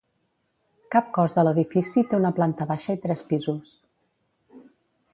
Cap cos de l'edifici té una planta baixa i tres pisos.